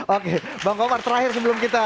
oke bang komar terakhir sebelum kita